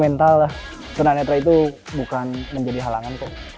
gental lah tuna netra itu bukan menjadi halangan kok